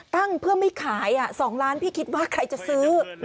ตั้งเพื่อไม่ขาย๒ล้านพี่คิดว่าใครจะซื้อ